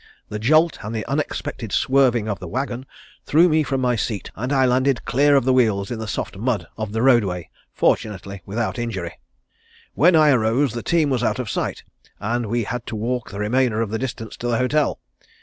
The jolt and the unexpected swerving of the wagon threw me from my seat and I landed clear of the wheels in the soft mud of the roadway, fortunately without injury. When I arose the team was out of sight and we had to walk the remainder of the distance to the hotel.